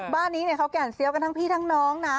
บ้านนี้เขาแก่นเซียวกันทั้งพี่ทั้งน้องนะ